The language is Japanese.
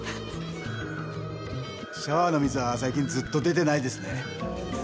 シャワーの水は最近ずっと出てないですね。